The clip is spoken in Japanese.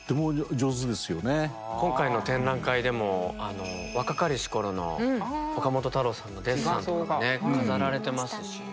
今回の展覧会でも若かりし頃の岡本太郎さんのデッサンとかがね飾られてますしね。